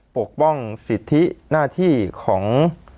ปกป้องสิทธิหน้าที่ของ